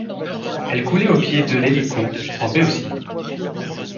Elle coulait au pied de l'Hélicon, en Béotie.